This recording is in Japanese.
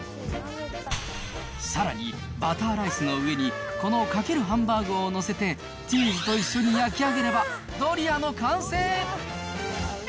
さらに、バターライスの上に、このかけるハンバーグを載せて、チーズと一緒に焼き上げれば、ドリアの完成。